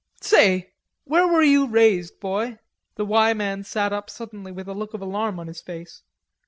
"Say... where were you raised, boy?" The "Y" man sat up suddenly with a look of alarm on his face.